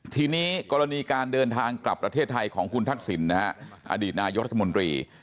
ทีนี้กรณีการเดินทางกลับประเทศไทยของคุณทักษิณนะฮะอดีตนายกรัฐมนตรี